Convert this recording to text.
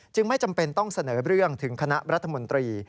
ไม่จำเป็นต้องเสนอเรื่องถึงคณะรัฐมนตรี